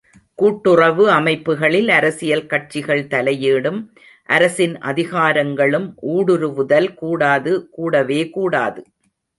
கூட்டுறவு அமைப்புகளில் அரசியல் கட்சிகள் தலையீடும், அரசின் அதிகாரங்களும் ஊடுருவுதல் கூடாது கூடவே கூடாது.